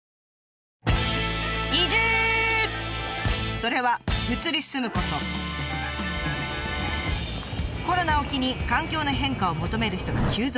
それはコロナを機に環境の変化を求める人が急増中。